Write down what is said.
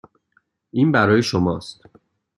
این برای شماست.